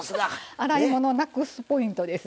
洗い物をなくすポイントです。